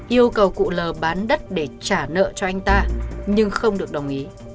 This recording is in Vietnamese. yêu cầu cụ lờ bán đất để trả nợ cho anh ta nhưng không được đồng ý